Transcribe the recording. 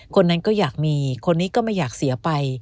คนนั้นก็อยากมีคนนี้ก็ไม่อยากเสียไป